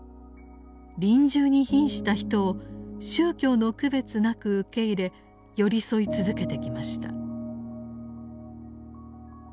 臨終に瀕した人を宗教の区別なく受け入れ寄り添い続けてきました。